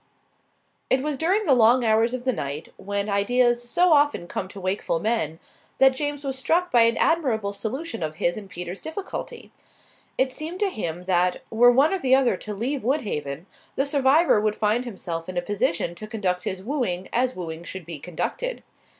It was during the long hours of the night, when ideas so often come to wakeful men, that James was struck by an admirable solution of his and Peter's difficulty. It seemed to him that, were one or the other to leave Woodhaven, the survivor would find himself in a position to conduct his wooing as wooing should be conducted.